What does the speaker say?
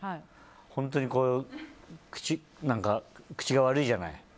本当に口が悪いじゃない。